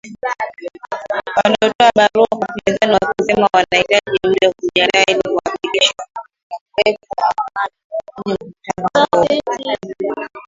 Walitoa barua kwa upinzani wakisema wanahitaji muda kujiandaa ili kuhakikisha kutakuwepo amani kwenye mkutano huo